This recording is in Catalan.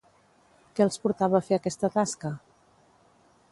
Què els portava a fer aquesta tasca?